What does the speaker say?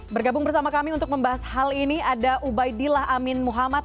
bergabung bersama kami untuk membahas hal ini ada ubaidillah amin muhammad